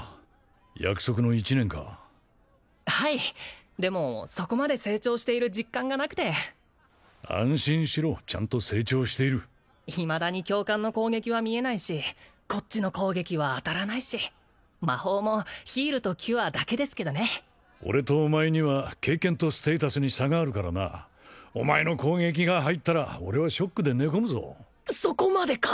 約束の１年かはいでもそこまで成長している実感がなくて安心しろちゃんと成長しているいまだに教官の攻撃は見えないしこっちの攻撃は当たらないし魔法もヒールとキュアだけですけどね俺とお前には経験とステータスに差があるからなお前の攻撃が入ったら俺はショックで寝込むぞそこまでか！